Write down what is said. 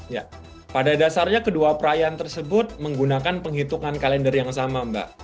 ya pada dasarnya kedua perayaan tersebut menggunakan penghitungan kalender yang sama mbak